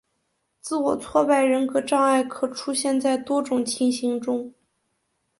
自我挫败人格障碍可出现在多种情形中。